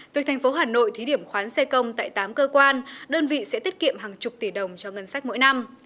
việc thành phố hà nội thí điểm khoán xe công tại tám cơ quan đơn vị sẽ tiết kiệm hàng chục tỷ đồng cho ngân sách mỗi năm